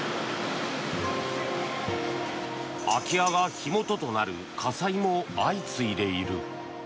空き家が火元となる火災も相次いでいる。